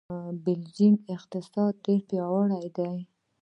د بېجینګ اقتصاد ډېر پیاوړی دی.